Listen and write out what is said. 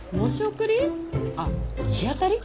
あっ日当たり？